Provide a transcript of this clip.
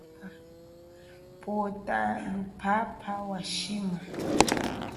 Pwota luphapha wa shima.